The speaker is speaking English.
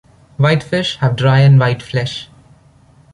White fish have dry and white flesh.